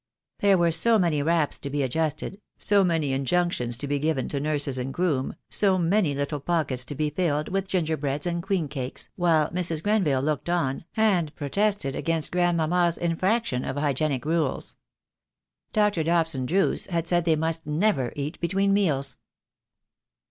There were so many wraps to be adjusted, so many injunctions to be given to nurses and groom, so many little pockets to be filled with gingerbreads and queen cakes, while Mrs. Grenville looked on, and protested against grandmamma's infraction of hygienic rules. Dr. Dobson Drooce had said they must never eat between meals.